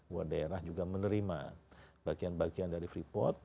buat daerah juga menerima bagian bagian dari freeport